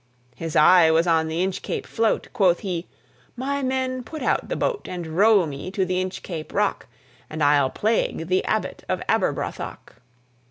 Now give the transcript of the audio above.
His eye was on the Inchcape float. Quoth he, "My men, put out the boat And row me to the Inchcape Rock, And I'll plague the Abbot of Aberbrothok."